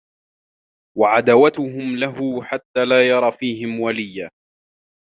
وَعَدَاوَتُهُمْ لَهُ حَتَّى لَا يَرَى فِيهِمْ وَلِيًّا